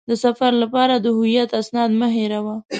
د سفر لپاره د هویت اسناد مه هېروه.